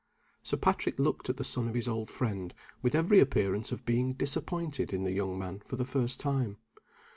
Sir Patrick looked at the son of his old friend, with every appearance of being disappointed in the young man for the first time.